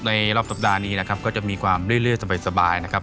ในรอบสัปดาห์นี้นะครับก็จะมีความเรื่อยเรื่อยสบายสบายนะครับ